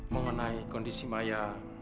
mengenai kondisi maya